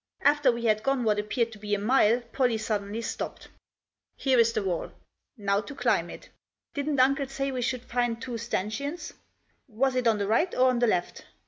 After we had gone what appeared to be a mile Pollie suddenly stopped. " Here is the wall. Now to climb it. Didn't uncle say we should find two stanchions ? Was it on the right or on the left